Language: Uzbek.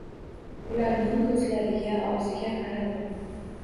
Ularning ko`zlariga, og`ziga qaradim